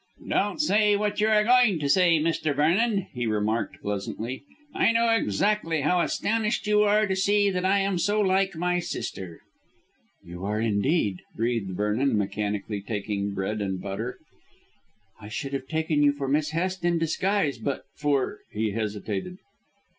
"Don't say what you are going to say, Mr. Vernon," he remarked pleasantly. "I know exactly how astonished you are to see that I am so like my sister." "You are indeed," breathed Vernon, mechanically taking bread and butter. "I should have taken you for Miss Hest in disguise but for " he hesitated.